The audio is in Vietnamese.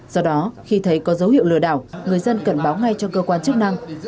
do đó khi thấy có dấu hiệu lừa đảo người dân cần báo ngay cho cơ quan chức năng